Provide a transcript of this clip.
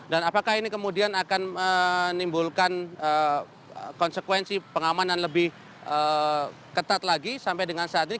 dan apakah ini kemudian akan menimbulkan konsekuensi pengamanan lebih ketat lagi sampai dengan saat ini